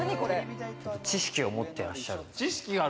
知識を持ってらっしゃる。